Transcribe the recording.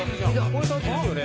これ辰ですよね？